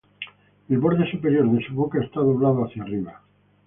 El borde superior de su boca está doblado hacia arriba.